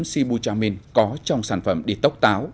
sibutramine có trong sản phẩm detox táo